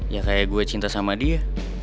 ya kayak gue cinta sama dia